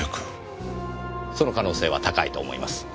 その可能性は高いと思います。